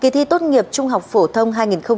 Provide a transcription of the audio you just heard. trung học phổ thông hai nghìn hai mươi một